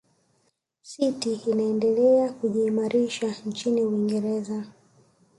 city inaendelea kujiimarisha nchini uingereza